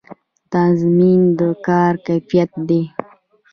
تضمین د کار د کیفیت دی